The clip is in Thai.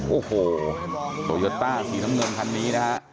โอ้โหโตโยต้าสีน้ำเงินคันนี้นะฮะ